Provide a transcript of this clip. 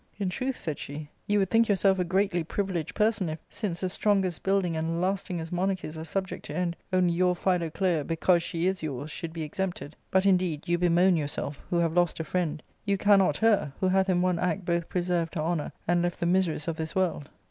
" In truth," said she, " you would think yourself a greatly privileged person if, since the strongest building and lastingest monarchies are subject to end, only your Philoclea, because she is yours, should be exempted. But, indeed, you bemoan yourself, who have lost a friend ; you cannot her, who hath in one act both preserved her honour and left the miseries of this world."